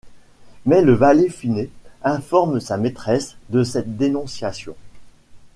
Mais le valet Finet informe sa maîtresse de cette dénonciation.